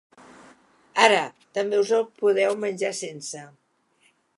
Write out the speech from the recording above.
Ara, també us el podeu menjar sense.